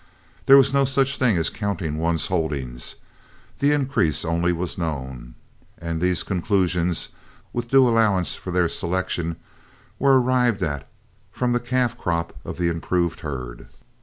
There was no such thing as counting one's holdings; the increase only was known, and these conclusions, with due allowance for their selection, were arrived at from the calf crop of the improved herd.